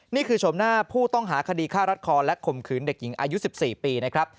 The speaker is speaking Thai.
ชมหน้าผู้ต้องหาคดีฆ่ารัดคอและข่มขืนเด็กหญิงอายุ๑๔ปีนะครับ